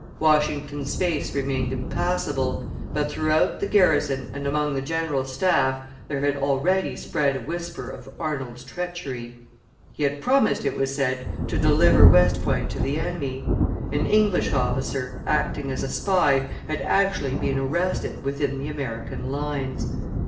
Washington's face remained impassible; but throughout the garrison and among the general's staff there had already spread a whisper of Arnold's treachery: he had promised, it was said, to deliver West Point to the enemy. An English officer, acting as a spy, had actually been arrested within the American lines.